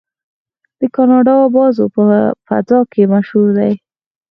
د کاناډا بازو په فضا کې مشهور دی.